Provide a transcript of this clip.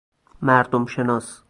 مردم شناس